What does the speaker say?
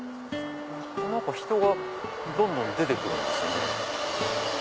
何か人がどんどん出て来るんですよね。